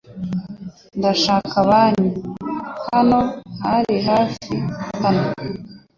Ndashaka banki .Hano hari hafi hano?